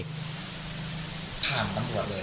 ทางบางตัวเลย